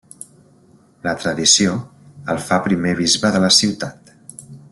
La tradició el fa primer bisbe de la ciutat.